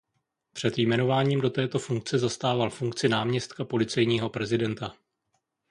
Před jmenováním do této funkce zastával funkci náměstka policejního prezidenta.